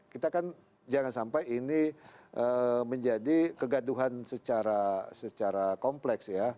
kita kan jangan sampai ini menjadi kegaduhan secara kompleks ya